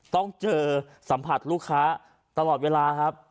ต้องเจอสัมผัสลูกค้าตลอดเวลาครับ